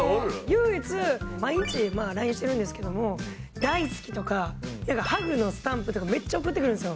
唯一毎日ＬＩＮＥしてるんですけども大好きとかハグのスタンプとかめっちゃ送ってくるんですよ。